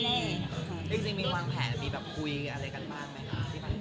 จริงมีวางแผนมีแบบคุยอะไรกันบ้างไหมคะ